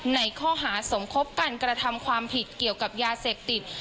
ในข้อหาสมคบกันกระทำความผิดเกี่ยวกับยาเสพติด